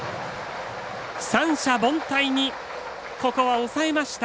三者凡退に、ここは抑えました。